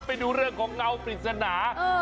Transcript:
ไปดูเรื่องของเงาปริศนา